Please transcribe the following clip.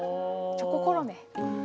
チョココロネ。